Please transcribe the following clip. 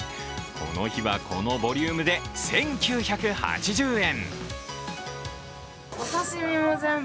この日はこのボリュームで１９８０円。